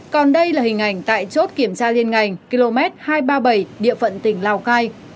còn đây là hình ảnh tại chốt kiểm tra liên ngành km hai trăm ba mươi bảy địa phận tỉnh lào cai